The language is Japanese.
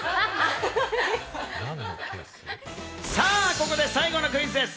ここで最後のクイズです。